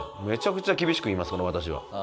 めちゃくちゃ厳しく言います私は。